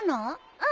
うん。